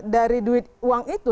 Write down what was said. dari duit uang itu